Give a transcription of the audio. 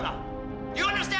jangan kembali ke sekolah